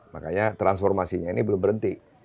makanya transformasinya ini belum berhenti